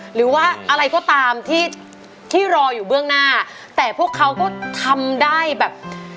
หรือว่าอะไรก็ตามที่ที่รออยู่เบื้องหน้าแต่พวกเขาก็ทำได้แบบ